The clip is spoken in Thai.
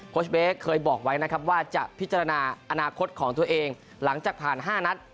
ชเบสเคยบอกไว้นะครับว่าจะพิจารณาอนาคตของตัวเองหลังจากผ่าน๕นัด